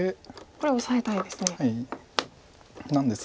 これはオサえたいですね。